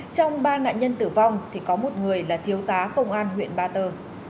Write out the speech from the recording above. trong ba nạn nhân tử vong thì có một người là thiếu tá công an huyện ba tơ